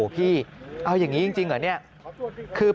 พี่เอายังงี้จริงหรือ